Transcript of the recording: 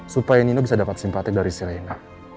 supaya nino bisa dapat simpati dari si reina